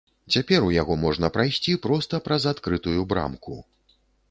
Цяпер у яго можна прайсці проста праз адкрытую брамку.